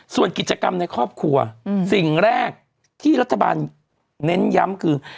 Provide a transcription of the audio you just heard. ส่วนกิจกรรมในครอบครัวสิ่งแรกที่รัฐบาลเน้นย้ำคือ